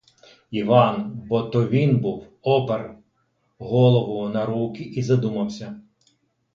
Іван, — бо то він був, — опер голову на руки і задумався.